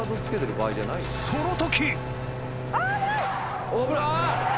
その時！